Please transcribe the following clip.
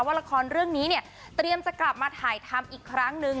ละครเรื่องนี้เนี่ยเตรียมจะกลับมาถ่ายทำอีกครั้งนึง